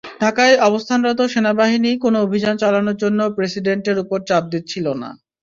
ঢাকায় অবস্থানরত সেনাবাহিনী কোনো অভিযান চালানোর জন্য প্রেসিডেন্টের ওপর চাপ দিচ্ছিল না।